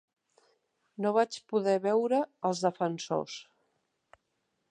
No vaig poder veure als defensors.